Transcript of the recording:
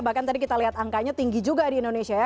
bahkan tadi kita lihat angkanya tinggi juga di indonesia ya